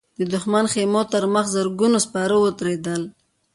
د دښمن د خيمو تر مخ زرګونه سپاره ودرېدل.